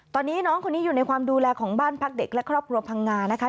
ตอนนี้น้องคนนี้อยู่ในความดูแลของบ้านพักเด็กและครอบครัวพังงานะคะ